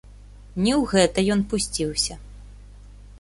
Не ў гэта ён пусціўся.